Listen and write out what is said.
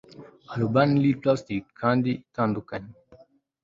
Urbanely plastike kandi itandukanye